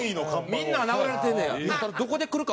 みんな殴られてんねや。